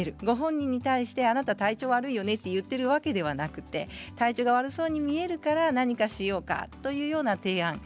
ご本人に対して、あなた体調悪いねと言っているわけではなくて体調が悪そうに見えるから何かしようかというような提案